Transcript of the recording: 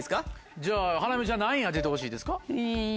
じゃあハラミちゃん何位当ててほしいですか？